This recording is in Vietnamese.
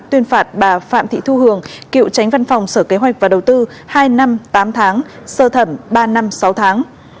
tuyên phạt bà phạm thị thu hường cựu tránh văn phòng sở kế hoạch và đầu tư hai năm tám tháng sơ thẩm ba năm sáu tháng